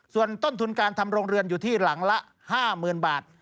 ส่วนต้นทุนการทำโรงเรือนอยู่ที่หลังละ๕๐๐๐บาท